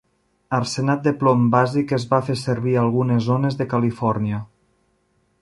Arsenat de plom bàsic es va fer servir a algunes zones de Califòrnia.